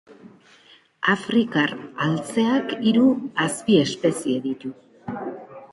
Afrikar altzeak hiru azpiespezie ditu.